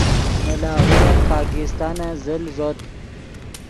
نے لاہور پاکستانن زل ݱوت